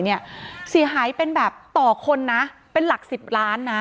อ๋อเจ้าสีสุข่าวของสิ้นพอได้ด้วย